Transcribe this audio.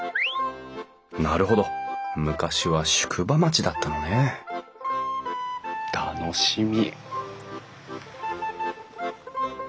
なるほど昔は宿場町だったのね楽しみ。